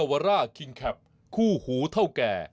ข้าบิ้นครับคู่หูเท่าแก่